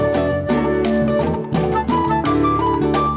kita lagi diawasin bos